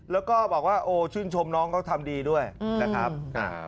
แล้วก็บอกว่าโอ้ชื่นชมน้องเขาทำดีด้วยนะครับ